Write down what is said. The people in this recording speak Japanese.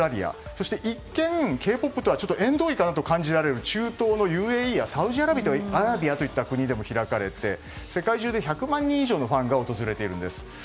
そして一見、Ｋ‐ＰＯＰとは縁遠いかなと感じられる中東のＵＡＥやサウジアラビアといった国でも開かれて、世界中で１００万人以上のファンが訪れているんです。